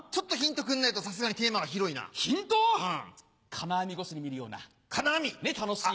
金網越しに見るような楽しい。